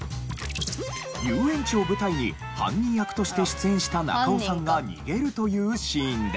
遊園地を舞台に犯人役として出演した中尾さんが逃げるというシーンで。